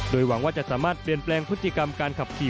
โดยหวังว่าจะสามารถเปลี่ยนแปลงพฤติกรรมการขับขี่